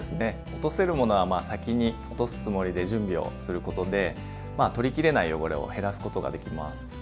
落とせるものは先に落とすつもりで準備をすることでまあ取りきれない汚れを減らすことができます。